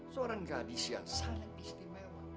seorang gadis yang sangat istimewa